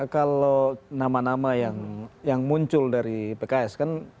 kalau nama nama yang muncul dari pks kan